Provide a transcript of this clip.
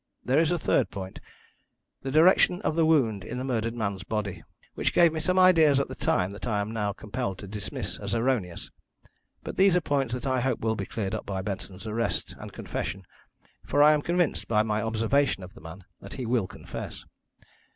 There is a third point the direction of the wound in the murdered man's body, which gave me some ideas at the time that I am now compelled to dismiss as erroneous. But these are points that I hope will be cleared up by Benson's arrest, and confession, for I am convinced, by my observation of the man, that he will confess.